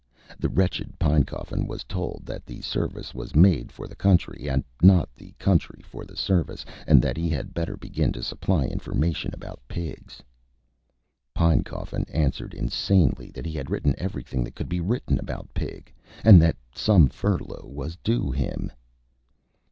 The wretched Pinecoffin was told that the Service was made for the Country, and not the Country for the Service, and that he had better begin to supply information about Pigs. Pinecoffin answered insanely that he had written everything that could be written about Pig, and that some furlough was due to him.